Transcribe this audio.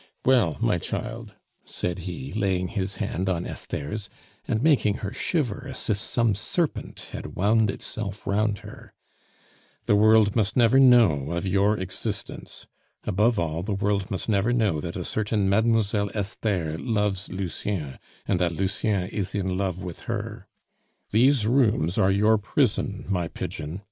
"Well, my child," said he, laying his hand on Esther's, and making her shiver as if some serpent had wound itself round her, "the world must never know of your existence. Above all, the world must never know that a certain Mademoiselle Esther loves Lucien, and that Lucien is in love with her. These rooms are your prison, my pigeon.